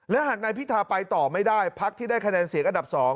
และหากนายพิธาไปต่อไม่ได้พักที่ได้คะแนนเสียงอันดับ๒